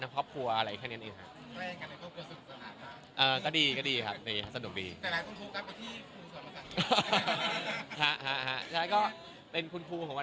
ประมาณ๓๔เมืองอะไรอย่างนี้นะครับ